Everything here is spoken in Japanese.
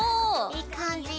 いい感じ！